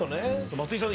松井さん